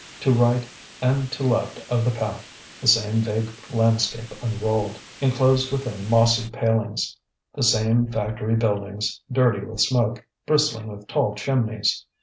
To right and to left of the path the same vague landscape unrolled, enclosed within mossy palings, the same factory buildings, dirty with smoke, bristling with tall chimneys.